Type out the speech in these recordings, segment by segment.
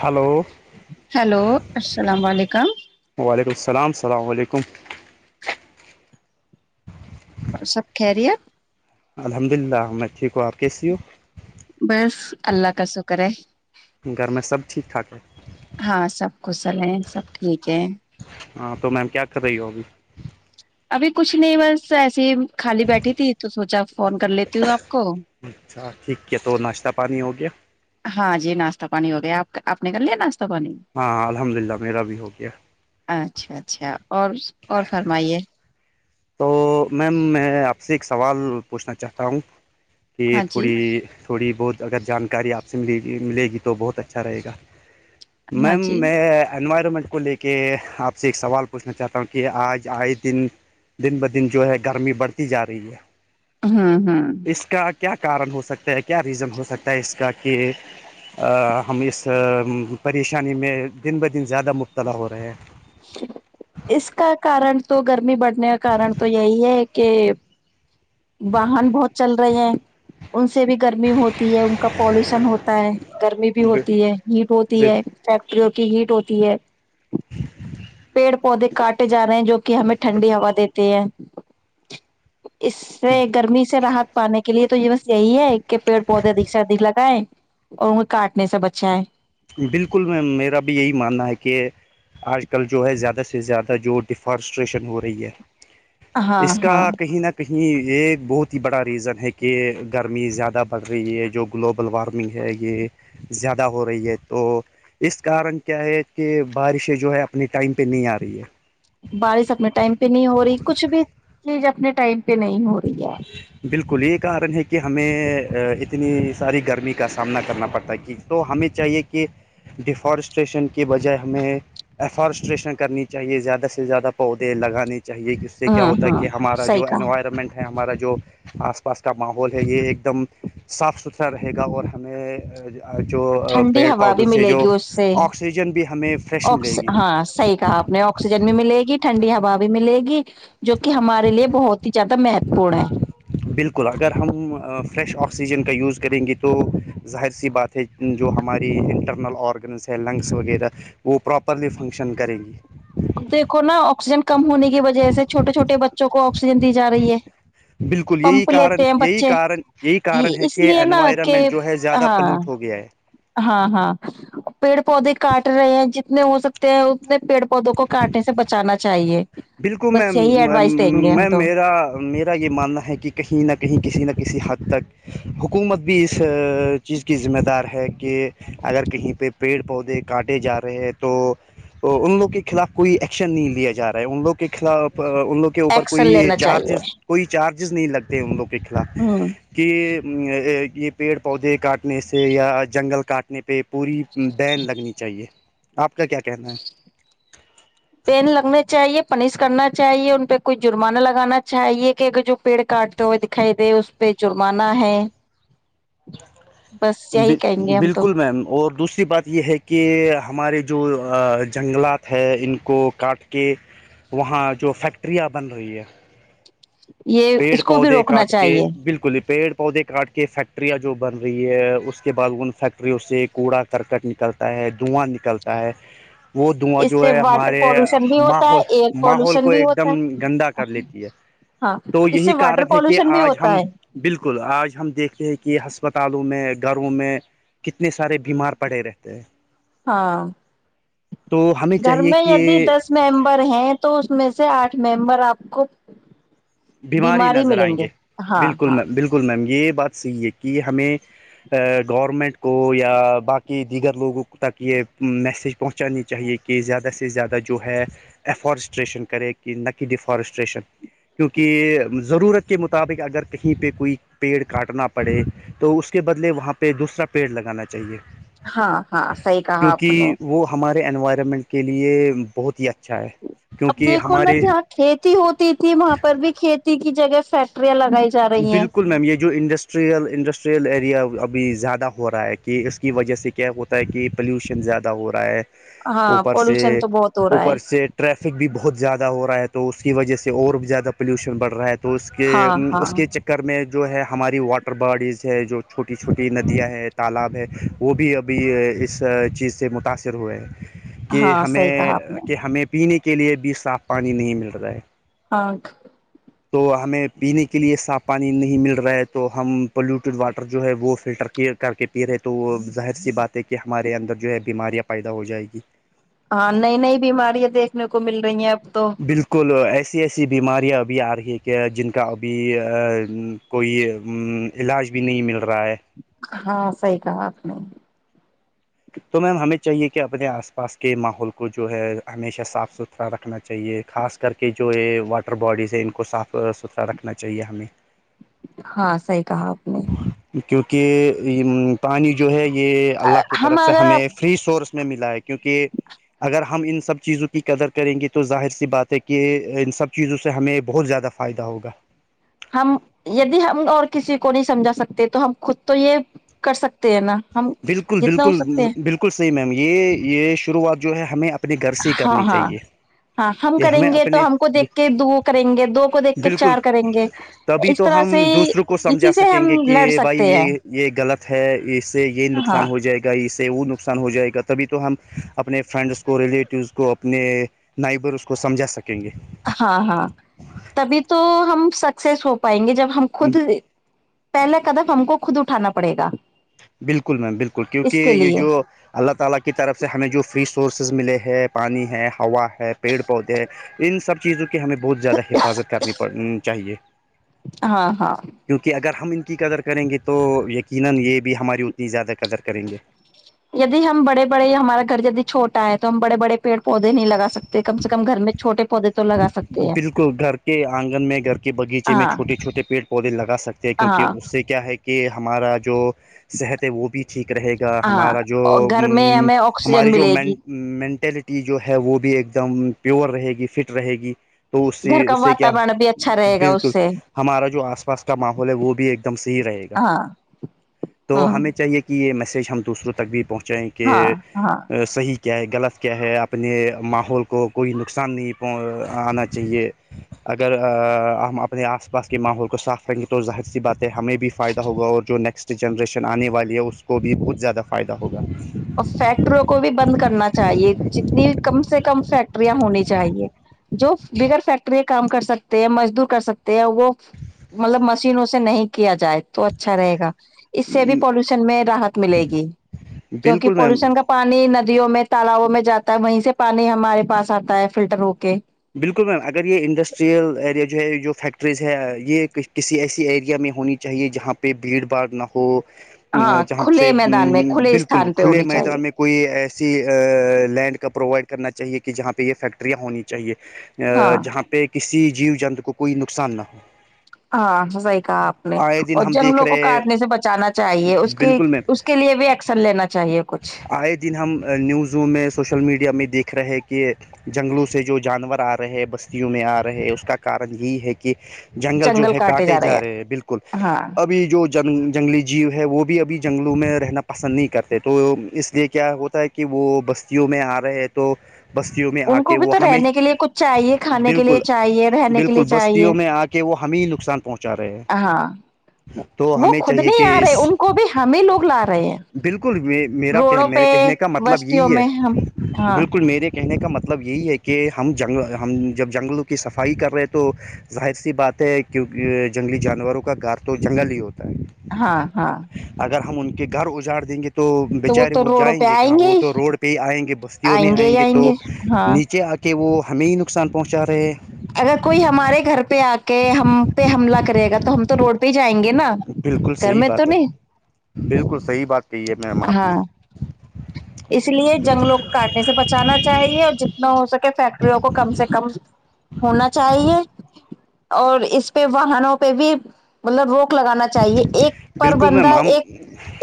Hello hello السلام علیکم وعلیکم السلام سلام وعلیکم اور سب خریت الحمد للہ میں ٹھیک ہوں آپ کےسے ہو بس اللہ کا شکر ہیے ہو گھر میں سب ٹھیک ٹھاک ہے ہاں سب خوش ہے سب ٹھیک ہے ہاں تو میم کیا کر رہی ہو ابھی ابھی کچھ نہیں بس ایسیے ہی خالی بیٹھی تھی تو سوچا فون کر لیتی ہوں آپ کو اچھا ٹھیک ہے تو ناشتہ پانی ہو گیا ہاں جی ناشتہ پانی ہو گیا آپ اپنے کر لیا ناشتہ پانی ہاں الحمد للہ میرا بھی ہو گیا اچھا اچھا اور اور فرمائیے تو میم میں آپ سے ایک سوال پوچھنا چاہتا ہوں کہ ہاں جی تھوڑی تھوڑی بہت اگر جانکاری آپ سے ملے گی ملے گی تو بہت اچھا رہے گا ہاں میم جی میں انوائرمنٹ کو لے کے کہ آپ سے ایک سوال پوچھنا چاہتا ہوں کہ آج آئے دن دن بہ دن جو ہے گرمی بڑھتی جا رہی ہے ہاں ہاں اس کا کیا کارن ہو سکتا ہے کیا ریزن ہو سکتا ہے اس کا کہ ہم اس پریشانی میں دن بہ دن زیادہ مبتلا ہو رہے ہیں اس کا کارن تو گرمی بڑھنے کا کارن تو یہی ہے کہ واہن بہت چل رہے ہیں ان سے بھی گرمی ہوتی ہوتی ہے ان کا پالوشن ہوتا ہے گرمی ہیں بھی ب ہوتی ہے ہیٹ ہوتی ب ہے فیکٹریوں کی ہیٹ ہوتی ہے پیڑ پودے کاٹے جا رہے ہیں جو کہ ہمیں ٹھنڈی ہوا دیتے ہے اس سے گرمی سے رحت پانے کے لیے تو یہ بس یہی ہے کے پیڑ پودے دکھ سےدکھ لگائے اور ان کو کاٹنے سے بچا ہے بالکل میںی میرا بھی یہی ماننا ہے کہ آج کل جو ہے زیادہ سے زیادہ جو ڈیفارسٹریشن ہو رہی ہے ہاں اس کا ہاں کہیں نہ کہیں ایک بہت ہی بڑا ریزن ہے کہ گرمی زیادہ بڑھ رہی ہے جو گلوبل وارمنگ ہے یہ زیادہ ہو رہی ہے تو اس کارن کیا ہے کہ بارشیں جو ہے اپنے ٹائم پہ نہیں آ رہی ہے بارش اپنے ٹائم پہ نہیں ہو رہی کچھ بھی چیز اپنے ٹائم پہ نہیں ہو رہی ہے بالکل یہ کارن ہے کہ ہمیں اتنی ساری گرمی کا سامنا کرنا پڑتا ہے کہ تو ہمیں چاہیے کہ ڈیفارسٹریشن کے بجائے ہمیں افارسٹریشن کرنی چاہیے زیادہ سے زیادہ پودے لگانے چاہیے کہ اس سے کیا ہاں ہوتا ہے ہاں کہ ہمارا صحیح جو کہا انوائرمنٹ ہمارا جو آس پاس کا ماحول ہے یہ ایک دم صاف ستھرا رہے گا اور ہمیں جو ٹھنڈی پیڑ ہوا پودوں بھی سے ملے گی جو اس سے آکسیجن بھی ہمیں فریش ملے آکس گی ہاں صحیح کہا آپ آکسیجن بھی ملے گی ٹھنڈی ہوا بھی ملے گی جو کہ ہمارے بہت زیاد مہتوپورن ہے بالکل اگر ہم فریش آکسیجن کا یوز کریں گے تو ظاہر سی بات تھ جو ہماری انٹرنل آرگنس ہے لنگس وغیرہ وہ پراپرلی فنکشن کرے گی دیکو نا آکسیجن کم ہونے کی وجہ سے چھوٹے چھوٹے بچوں کو آکسیجن دی جا رہی ہے بالکل یہی پمپ کارن لیتے ہیں یہی بچے کارن یہی کارن ہے اس کہ لیے نا کہ انوائرمنٹ جو ہے زیادہ ہاں پلیوٹ ہو گیا ہے ہاں ہاں پیڑ پودے کاٹ رہے ہیں جتنے ہو سکتے ہیں اتنے پیڑ پودوں کو کانٹے سے بچانا چاہیے بالکل میں بس یہی ایڈوائس دیں گے ہم میں تو میرا میرا یہ ماننا ہے کہ کہیں نہ کہیں کسی نہ کسی حد تک حکومت بھی اس چیز کی ذمہ دار ہے کہ اگر کہیں پہ پیڑ پودے کاٹے جا رہے ہیں تو ان لوگ کے خلاف کوئی ایکشن نہیں لیا جا رہا ان لوگ کے خلاف ان لوگ کے اوپر ایکشن کوئی لینا چارجز چاہیے کوئی چارجز نہیں لگتے ان لوگ کے خلاف ہوں کہ یہ پیڑ پودے کاٹنے سے یا جنگل کاٹنے پہ پوری بین لگنی چاہیے آپ کا کیا کہنا ہے پین لگنے چاہیے پنش کرنا چاہیے ان پہ کوئی جرمانہ لگانا چاہیے کہ جو پیڑ کاٹتے ہوئے دکھائی دے اس پہ جرمانہ ہے بس یہی کہیں گے ہم تو بالکل میم اور دوسری بات یہ ہے کہ ہمارے جو جنگلات ہے ان کو کاٹ کے وہاں جو فیکٹریاں بن رہی ہے یہ پیڑ اس کو بھی پودے روکنا کاٹ کے چاہیے بالکل ہی پیڑ پودے کاٹ کے فیکٹریاں جو بن رہی ہے اس کے بعد ان فیکٹریوں سے کوڑا کرکٹ نکلتا ہے دھواں نکلتا ہے وہ دواں اس جو سے ہے واٹر ہمارے پالوشن بھی ہوتا ہے ماحول ایئر ماحول پالوشن کو بھی ایک ہوتا دم ہے گندا کر لیتی ہے ہاں تو اس یہی سے واٹر کارن ہے کہ پالوشن بھی آج ہوتا ہم ہے بالکل آج ہم دیکھتے ہیں کہ ہسپتالوں میں گھروں میں کتنے سارے بیمار پڑے رہتے ہیں ہاں تو ہمیں گھر چاہیے میں کہ د دس ممبر ہیں تو اس میں سے آٹھ ممبر آپ کو بیماری ملیں گے ہاں بالکل ہاں میم بالکل میم یہ بات صحیح ہے کہ ہمیں آ گورنمنٹ کو یا باقی دیگر لوگوں تک یہ میسیج پہنچانی چاہیے کہ زیادہ سے زیادہ جو ہے ایفورسٹریشن کرے کہ نہ کی ڈیفورسٹریشن کیونکہ ضرورت کے مطابق اگر کہیں پہ کوئی پیڑ کاٹنا پڑے تو اس کے بدلے وہاں پہ دوسرا پیڑ لگانا چاہیے ہاں ہاں صحیح کہا آپ نے کیونکہ وہ ہمارے انوائرمنٹ کے لیے بہت ہی اچھا ہے اب کیونکہ دیکھو نا ہمارے جہاں کھیتی ہوتی تھی وہاں پر بھی کھیتی کی جگہ فیکٹریاں لگائی جا رہی ہیں بالکل میم یہ جو انڈسٹ ٹریل انڈسٹریل ایریا ابھی زیادہ ہو رہا ہے کہ اس کی وجہ سے کیا ہے وہ ہے کہ پلیوشن زیادہ ہو رہا ہے ہاں اوپر سے پولوشن تو بہت ہو رہا اوپر ہے سے ٹریفک بھی بہت زیادہ ہو رہا ہے تو اس کی وجہ سے اور بھی زیادہ پولیوشن بڑھ رہا ہے تو اس ہاں کےعم اس ہاں کے چکر میں جو ہے ہماری واٹر باڈیز ہے جو چھوٹی چھوٹی ندیاں ہے تالاب ہے وہ بھی ابھی اس چیز سے متاثر ہوئے ہیں کہ ہاں صحیح کہا ہمیں آپ نے کہ ہمیں پینے کے لیے بھی صاف پانی نہیں مل رہا ہے ہاں تو ہمیں پینے کے لیے صاف پانی نہیں مل رہا ہے تو ہم پولیوٹیڈ واٹر جو ہے وہ فلٹر کلیر کر کے پی رہے تو وہ ظاہر سی بات ہے کہ ہمارے اندرجو ہے بیماریاں پیدا ہو جائ گی ہاں نئی نئی بیماریاں دیکھنے کو مل رہی ہیں اب تو کل ایسی ایسی بیماریاں ابھی آ رہی کہ جن کا ابھی آ عم کوئی عمم علاج بھی نہیں مل رہا ہے ہاں صحیح کہا آپ نے تمہیں ہمیں چاہیے کہ اپنے آس پاس کے ماحول کو جو ہے ہمیشہ صاف ستھرا رکھنا چاہیے خاص کر کے جو یہ واٹر باڈیز ہیں ان کو صاف ستھرا رکھنا چاہیے ہمیں ہاں صحیح کہا آپ نے کیونکہ یم پانی جو ہے یہ اللہ کی ہاں طرف سے ہمیں فری سورس میں ملا ہے کیونکہ اگر ہم ان سب چیزوں کی قدر کریں گے تو ظاہر سی بات ہے کہ ان سب چیزوں سے ہمیں بہت زیادہ فائدہ ہوگا ہم یدی ہم اور کسی کو نہیں سمجھا سکتے تو ہم خود تو یہ کر سکتے ہیں نا ہم بالکل جتنا ہو بالکل سکتے ہیں بالکل صحیح میم یہ یہ شروعات جو ہے ہمیں اپنے گھر سے ہاں کرنی ہاں چاہیے ہاں ہم یہ کریں ہمیں گے تو اپنے ہم کو دیکھ کے دو کریں گے دو کو دیکھ کے چار کریں گے تب ہی اس تو طرح ہم سے دوسروں کو اسی سمجھا سے سکیں ہم گے لڑ کہ بھائی سکتے ہیں یہ یہ غلط ہے اس سے یہ ہاں نقصان ہو جائے کے اس سے وہ نقصان ہو جائے گا تبھی تو ہم اپنے فرینڈس کو ریلیٹوس کو اپنے نائبر اس کو سمجھا سکیں گے ہاں ہاں تب ہی تو ہم سکسیس ہو پائیں گے جب ہم خود پہلے قدم ہم کو خود اٹھانا پڑے گا بالکل میم بالکل کیونکہ اس کے یہ لیے جو اللہ تعالی کی طرف سے ہمیں جو فری سورسز ملے ہے پانی ہے ہوا ہے پیڑ پودے ان سب چیزوں کی ہمیں بہت زیادہ حفاظت کرنی چاہیے ہاں ہاں کیونکہ اگر ہم ان کی قدر کریں گے تو یقیناں یہ بھی ہماری اتنی زیادہ قدر کریں گے یدی ہم بڑے بڑے ہمارا گھر یدی چھوٹا ہے تو ہم بڑے بڑے پیڑ پودے نہیں لگا سکتے کم سے کم گھر میں چھوٹے پودے تو لگا سکتے ہیں بالکل گھر کے آنگن میں گھر کے بغیچے میں ہاں چھوٹے چھوٹے پیڑ پودے لگا سک تے ہاں کیونکہ اس سے کیا ہے کہ ہمارا جو صحت ہے وہ بھی ٹھیک رہے گا ہاں ہمارا جو اور گھر میں امم ہمیں آکسیجن ہماری جو ملے گی مین مینٹلٹی جو ہے وہ بھی ایک دم پیور رہے گی فٹ رہے گی تو سے گھر کا اس سے کیا واتاورن بھی اچھا رہے گا اس بالکل سے ہمارا جو آس پاس کا ماحول ہے وہ بھی ایک دم صحیح رہے گا ہاں تو ہاں ہمیں چاہیے کہ یہ میسج ہم دوسروں تک بھی پہنچائیں ہاں کہ ہاں صحیح کیا ہے غلط کیا ہے اپنے ماحول کو کوئی نقصان نہیں آنا چاہیے اگر ہم اپنے آس پاس کے ماحول کو صاف ریں گے تو ظاہر سی بات ہے ہمیں بھی فائدہ ہوگا اور جو نیکسٹ جنریشن آنے والی ہے اس کو بھی بہت زیادہ فائدہ ہوگا اور فیکٹریوں کو بھی بند کرنا چاہیے جتنی کم سے کم فیکٹریاں ہونی چاہیے جو بگر فیکٹری کام کر سکتے ہیں مزدور کر سکتے ہیں وہ مطلب مشینوں سے نہیں کیا جائے تو اچھا رہے گا اس سے بھی پالوشن میں راحت ملے گی کیونکہ بالکل میم پالوشن کا پانی ندیوں میں تالؤوں میں جاتا ہے وہیں سے پانی ہمارے پاس آتا ہے فلٹر ہو کے بالکل میم اگر یہ انڈسٹریل ایریا جو ہے جو فیکٹریز ہے یہ کسی ایسی ایریا میں ہونی چاہیے جہاں پہ بھیڑ بھاڑ نہ ہو ہاں جہاں کھلے سے میدان میں کھلے بالکل استھان پہ کھلے ہونی چاہیے میدان میں کوئی ایسی لینڈ کا پرووائڈ کرنا چاہیے کہ جہاں پہ یہ فیکٹریاں ہونی چاہیے ہاں جہاں پہ کسی جیو جنتو کو کوئی نقصان نہ ہو ہاں صحیح کہا آپ نے آئے دن اور ہم دیکھ جنگلوں کو رہے کاٹنے سے بچانا چاہیے اس کی بالکل میم اس کے لیے بھی ایکشن لینا چاہیے کچھ آئے دن ہم نیوزوں میں سوشل میڈیا میں دیکھ رہے کہ جنگلوں سے جو جانور آ رہے ہے بستیوں میں آ رہے ہے اس کا کارن یہی ہے کہ جنگل جو ہے کاٹے جا رہے ہیں بالکل ہاں اب جو جنگلی جیو ہے وہ بھی ابھی جنگلوں میں رہنا پسند نہیں کرتے تو اس لیے کیا ہوتا ہے کہ کہ وہ بستیوں میں آ رہے ہیں تو بستیوں میں آ ان کو کے بھی وہ تو ہمیں رہنے کے لیے کچھ چاہیے کھانے کے بالکل لیے چاہیے رہنے کے بالکل لیے چاہیے بستیوں میں آ کے کہ وہ ہمیں نقصان پہنچا رہے ہیں ہاں تو وہ ہمیں خود چاہیے نہیں کہ آ اس رہے ان کو بھی ہمیں لوگ لا رہے ہیں بالکل میرا کہ روڈوں پہ میرے کہنے کا مطلب بستیوں یہی ہے میں ہم ہاں بالکل میرے کہنے کا مطلب یہی ہے کہ ہم جنگل ہم جب جنگلوں کی صفائی کر رہے ہیں تو ظاہر سی بات ہے کیونکہ جنگلی جانوروں کا گھر تو جنگل ہی ہوتا ہے ہاں ہاں اگر ہم ان کے گھر اجاڑ دیں گے تو تو بیےچارے وہ جائیں گے کہاں وہ تو روڈ پہ ہی آئیں گے بستیوں میں آئیں گے تو نیچے آ کے کہ وہ ہمیں ہی نقصان پہنچا رہے ہیں۔ اگر کوئی ہمارے گھر پہ آ کے ہم پہ حملہ کرے گا تو ہم تو روڈ پہ ہی جائیں گے نا بالکل گھر صحیح میں تو بات ہے نہیں بالکل صحیح بات کہی ہے مآم آپ نے ہاں اس لیے جنگلوں کاٹنے سے بچانا چاہیے اور جتنا ہو سکے فیکٹریوں کو کم سے کم ہونا چاہیے اور اس پہ واہنوں پہ بھی مطلب روک لگانا چاہیے ایک پر بالکل میم بندہ ہم ایک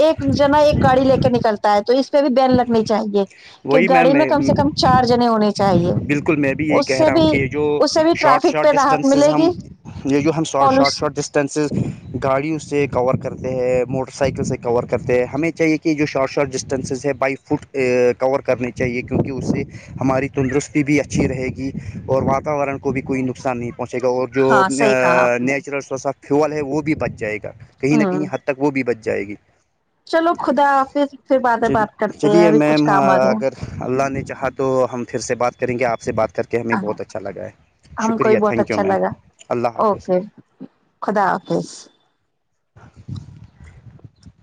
ایک جنا ایک گاڑی لے کے نکلتا ہے تو اس پہ بھی بین لگنی چاہیے کہ وہی گاڑی میں کم سے میم کم چار جنے ہونے چاہیے بالکل میں بھی یہی اس کہہ سے رہا ہوں بھی کہ یہ جو اس سے بھی شارٹ ٹریفک شارٹ پہ راحت ڈسٹینسز ملے ہم گی یہ جو ہم سارٹ شارٹ پالوش شارٹ ڈسٹینسز گاڑیوں سے کور کرتے ہیں موٹر سائیکل سے کور کرتے ہیں ہمیں چاہیے کہ جو شارٹ شاٹ ڈسٹینسز ہے بائی فٹ کور کرنے چاہیے کیونکہ اسے ہماری تندرستی بھی اچھی رہے گی اور واتاورن کو بھی کوئی نقصان نہیں پہنچے گا اور جو ہاں صحیح کہا آپ نے نیچرل سورس آف فیول ہے وہ بھی بچ جائے گا کہیں نہ کہیں ہوں تک وہ بھی بچ جائے گی چلو خدا حافظ بعدمیں بات کرتے ہیں چلیے ابھی کچھ میم کام آ گیا اگر اللہ نے چاہا تو ہم پھر سے بات کریں گے آپ سے بات کر کے ہمیں بہت اچھا لگا ہے ہم کو بھی شکریہ بہت تھینک یو اچھا میم لگا اللہ حافظ اوکے خدا حافظ